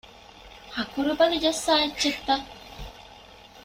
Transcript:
ހަކުރުބަލި ޖައްސާ އެއްޗެއްތަ؟